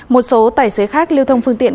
một số tài xế khác liêu thông phương tiện